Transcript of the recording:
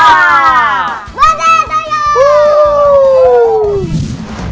วันนี้สุดยอด